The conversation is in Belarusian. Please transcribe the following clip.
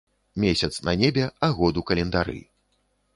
Месяц на небе, а год у календары.